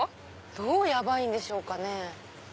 どうヤバいんでしょうかね。